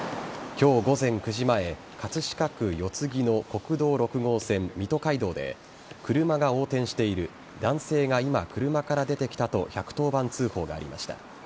今日午前９時前葛飾区四つ木の国道６号線水戸街道で車が横転している男性が今、車から出てきたと１１０番通報がありました。